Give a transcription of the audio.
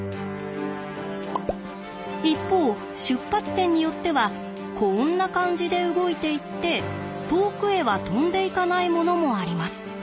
一方出発点によってはこんな感じで動いていって遠くへは飛んでいかないものもあります。